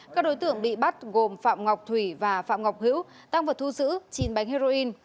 các đối tượng bị bắt gồm phạm ngọc thủy và phạm ngọc hữu tăng vật thu giữ chín bánh heroin